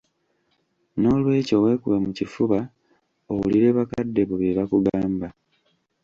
Noolwekyo weekube mu kifuba owulire bakadde bo bye bakugamba.